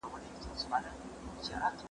د ولور ادا کول ولې واجب دي؟